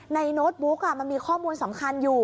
โน้ตบุ๊กมันมีข้อมูลสำคัญอยู่